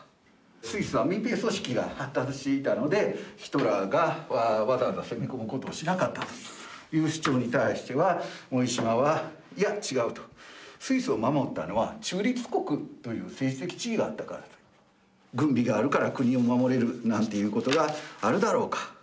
スイスは民兵組織が発達していたのでヒトラーがわざわざ攻め込むことをしなかったという主張に対しては森嶋は「いや違う」とスイスを守ったのは中立国という政治的地位があったから。軍備があるから国を守れるなんていうことがあるだろうか。